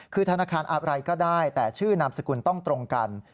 คือธนาคารอะไรก็ได้แต่ชื่อนามสกุลต้องตรงกัน